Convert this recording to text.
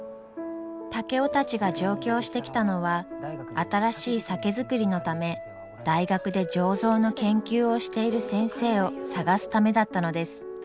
竹雄たちが上京してきたのは新しい酒造りのため大学で醸造の研究をしている先生を探すためだったのです。